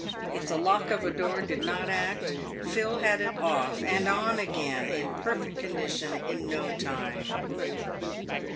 If the lock of a door did not act, Phil had it off, and on again, in a perfect condition, in no time.